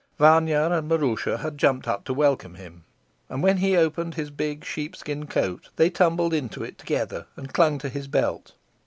Vanya and Maroosia had jumped up to welcome him, and when he opened his big sheepskin coat, they tumbled into it together and clung to his belt.